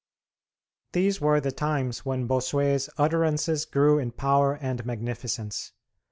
These were the times when Bossuet's utterances grew in power and magnificence.